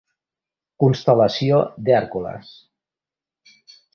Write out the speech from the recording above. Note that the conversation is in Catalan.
Constel·lació d'Hèrcules.